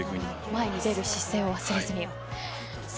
前に出る姿勢を忘れずにですね。